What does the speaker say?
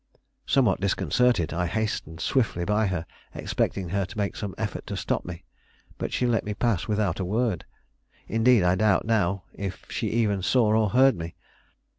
Somewhat disconcerted, I hastened swiftly by her, expecting her to make some effort to stop me. But she let me pass without a word. Indeed, I doubt now if she even saw or heard me.